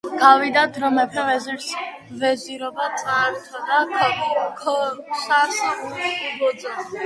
გავიდა დრო; მეფემ ვეზირს ვეზირობა წაართვა და ქოსას უბოძა.